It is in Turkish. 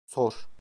Sor.